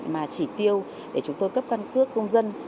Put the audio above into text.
mà chỉ tiêu để chúng tôi cấp căn cước công dân